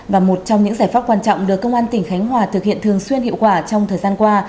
và một trong những giải pháp quan trọng được công an tỉnh khánh hòa thực hiện thường xuyên hiệu quả trong thời gian qua